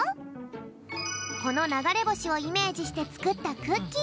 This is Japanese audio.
このながれぼしをイメージしてつくったクッキー。